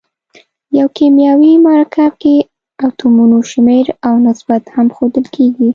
په یو کیمیاوي مرکب کې اتومونو شمیر او نسبت هم ښودل کیږي.